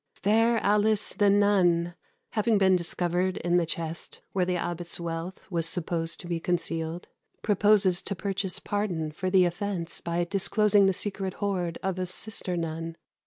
"Faire Alice, the nonne," having been discovered in the chest where the abbot's wealth was supposed to be concealed, proposes to purchase pardon for the offence by disclosing the secret hoard of a sister nun.